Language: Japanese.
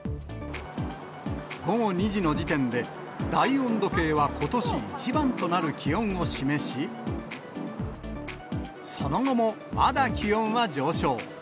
午後２時の時点で、大温度計はことし一番となる気温を示し、その後も、まだ気温は上昇。